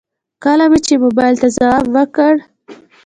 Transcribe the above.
کله مې چې موبايل ته ځواب وکړ.